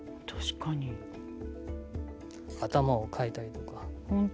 頭をかいたりとか。